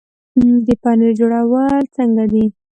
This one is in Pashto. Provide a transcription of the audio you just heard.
د پنیر جوړول څنګه دي؟